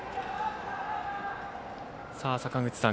坂口さん